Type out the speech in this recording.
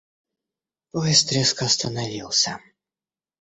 Поезд резко остановился.